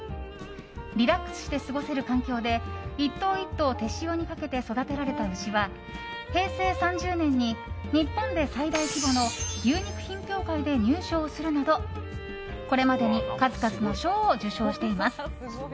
リラックスして過ごせる環境で１頭１頭手塩にかけて育てられた牛は、平成３０年に日本で最大規模の牛肉品評会で入賞するなどこれまでに数々の賞を受賞しています。